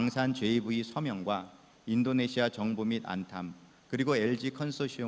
saya ingin mengucapkan terima kasih